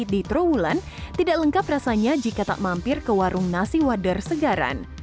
di trawulan tidak lengkap rasanya jika tak mampir ke warung nasi wader segaran